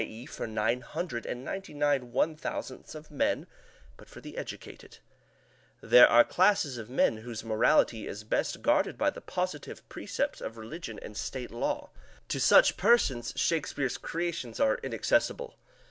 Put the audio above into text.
e._, for nine hundred and ninety nine one thousandths of men) but for the educated: "There are classes of men whose morality is best guarded by the positive precepts of religion and state law; to such persons Shakespeare's creations are inaccessible.